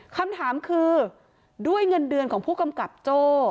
คำถามคือด้วยเงินเดือนของพกโจ